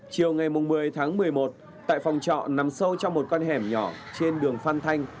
chiều ngày một mươi tháng một mươi một tại phòng trọ nằm sâu trong một con hẻm nhỏ trên đường phan thanh